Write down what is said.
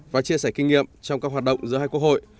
và chia sẻ kinh nghiệm trong các hoạt động giữa hai quốc hội